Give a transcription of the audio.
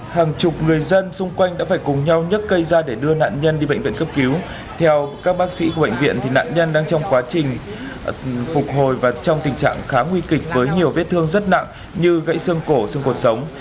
hàng chục người dân xung quanh đã phải cùng nhau nhắc cây ra để đưa nạn nhân đi bệnh viện cấp cứu theo các bác sĩ của bệnh viện nạn nhân đang trong quá trình phục hồi và trong tình trạng khá nguy kịch với nhiều vết thương rất nặng như gãy xương cổ xung cuộc sống